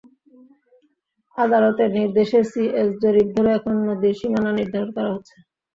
আদালতের নির্দেশে সিএস জরিপ ধরে এখন নদীর সীমানা নির্ধারণ করা হচ্ছে।